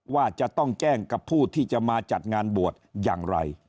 ว่าจะต้องแจ้งกับผู้ที่จะมาจัดงานบวชอย่างไร